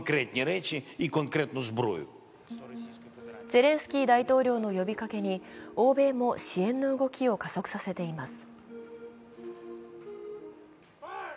ゼレンスキー大統領の呼びかけに、欧米も支援の動きを加速させています。